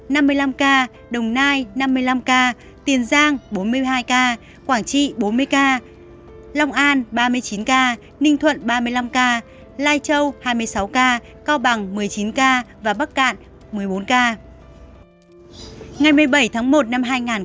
hãy đăng ký kênh để ủng hộ kênh của chúng mình nhé